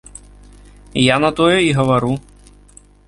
Я на тое і гавару.